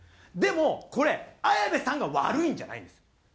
でもこれ綾部さんが悪いんじゃないんですよ。